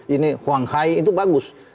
ini huanghai itu bagus